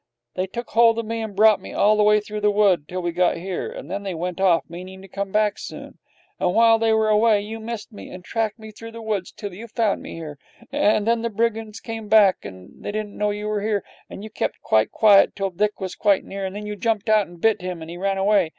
They took hold of me and brought me all the way through the wood till we got here, and then they went off, meaning to come back soon. And while they were away, you missed me and tracked me through the woods till you found me here. And then the brigands came back, and they didn't know you were here, and you kept quite quiet till Dick was quite near, and then you jumped out and bit him and he ran away.